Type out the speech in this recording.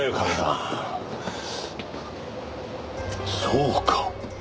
そうか！